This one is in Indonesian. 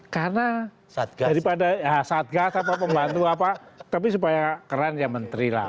karena daripada ya satgas apa pembantu apa tapi supaya keren ya menteri lah